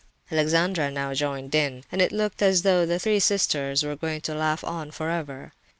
Alexandra now joined in, and it looked as though the three sisters were going to laugh on for ever.